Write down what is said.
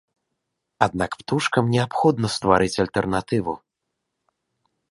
Аднак птушкам неабходна стварыць альтэрнатыву.